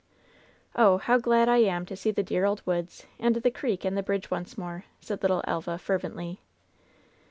"Oh ! how glad I am to see the dear old woods and the creek and the bridge once more I" said little Elva, fer vently.